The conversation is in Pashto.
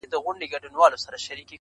دا دی د مرګ، و دایمي محبس ته ودرېدم .